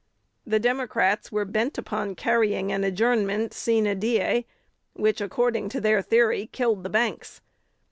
The Democrats were bent upon carrying an adjournment sine die; which, according to their theory, killed the banks.